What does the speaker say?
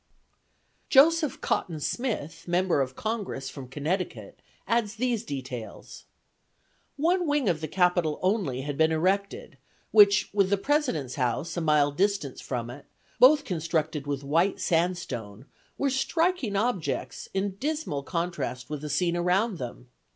John Cotton Smith, Member of Congress from Connecticut, adds these details: "One wing of the Capitol only had been erected, which with the President's House, a mile distant from it, both constructed with white sandstone, were striking objects in dismal contrast with the scene around them.